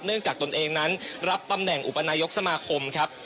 จากตนเองนั้นรับตำแหน่งอุปนายกสมาคมครับ